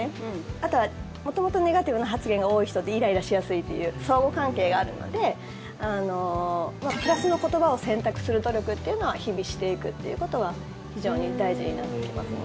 あとは、元々ネガティブな発言が多い人ってイライラしやすいという相互関係があるのでプラスの言葉を選択する努力っていうのは日々、していくっていうことは非常に大事になってきますね。